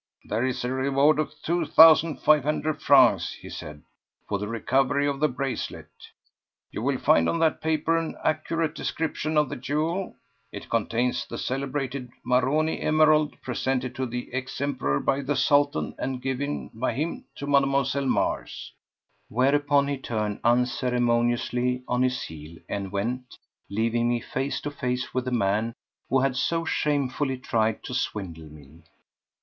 "There is a reward of two thousand five hundred francs," he said, "for the recovery of the bracelet. You will find on that paper an accurate description of the jewel. It contains the celebrated Maroni emerald, presented to the ex Emperor by the Sultan, and given by him to Mlle. Mars." Whereupon he turned unceremoniously on his heel and went, leaving me face to face with the man who had so shamefully tried to swindle me.